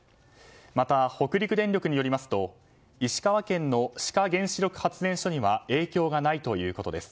また、北陸電力によりますと石川県の志賀原子力発電所には影響がないということです。